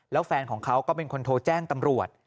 แล้วแฟนของเขาก็เป็นคนโทรแจ้งตำรวจ